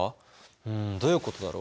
うんどういうことだろ？